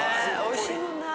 おいしいもんな。